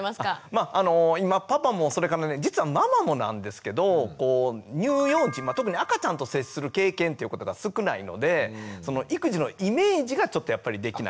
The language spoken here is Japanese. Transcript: まあ今パパもそれからね実はママもなんですけど乳幼児特に赤ちゃんと接する経験っていうことが少ないので育児のイメージがちょっとやっぱりできない。